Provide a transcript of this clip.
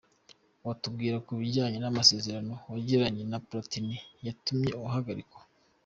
Watubwira ku bijyanye n’amasezerano wagiranye na Platini yatumye uhagarikwa?.